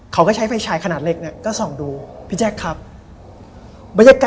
แกกลัวผีปะ